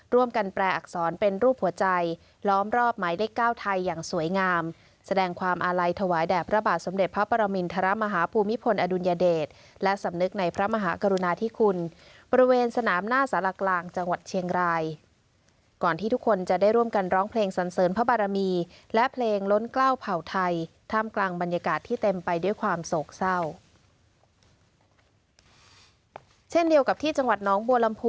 แปลอักษรเป็นรูปหัวใจล้อมรอบหมายเลขเก้าไทยอย่างสวยงามแสดงความอาลัยถวายแด่พระบาทสมเด็จพระปรมินทรมาฮภูมิพลอดุลยเดชและสำนึกในพระมหากรุณาธิคุณบริเวณสนามหน้าสารกลางจังหวัดเชียงรายก่อนที่ทุกคนจะได้ร่วมกันร้องเพลงสันเสริญพระบารมีและเพลงล้นกล้าวเผ่าไทยท่ามกลางบรรยากาศที่เต็มไปด้วยความโศกเศร้า